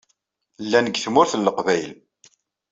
Llan deg Tmurt n Leqbayel.